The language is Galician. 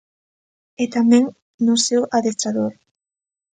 E tamén no seu adestrador.